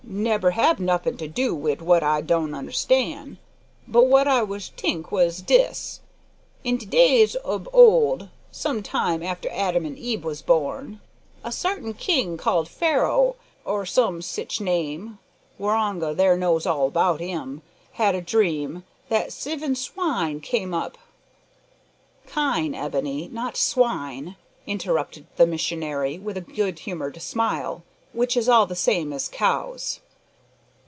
Nebber hab notin' to do wid what I don' understan'. But what I was t'ink was dis: in de days ob old, some time after Adam an' Eve was born, a sartin king, called Fair ho, or some sitch name (Waroonga there knows all about him) had a dream, that siven swine came up " "Kine, Ebony not swine," interrupted the missionary, with a good humoured smile, "which is all the same as cows."